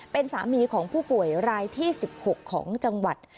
เป็นสามีของผู้ป่วยรายที่๑๖ของจังหวัด